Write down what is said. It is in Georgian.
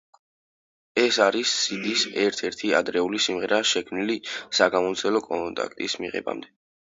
ეს არის სიდის ერთ-ერთი ადრეული სიმღერა, შექმნილი საგამომცემლო კონტრაქტის მიღებამდე.